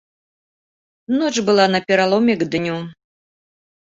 Ноч была на пераломе к дню.